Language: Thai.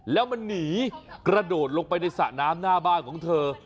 แล้วมันหนีกระโดดลงไปในสระน้ำหน้าบ้านของเธอ